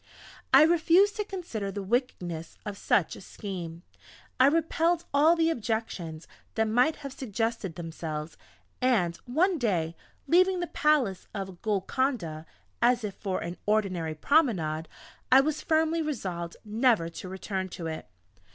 I refused to consider the wickedness of such a scheme. I repelled all the objections that might have suggested themselves, and one day, leaving the palace of Golconda as if for an ordinary promenade, I was firmly resolved never to return to it.